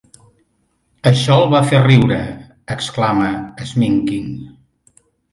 Això el va fer riure, exclama Sminking.